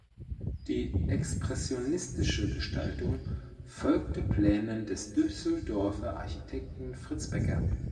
Die expressionistische Gestaltung folgte Plänen des Düsseldorfer Architekten Fritz Becker.